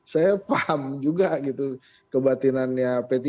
saya paham juga gitu kebatinannya p tiga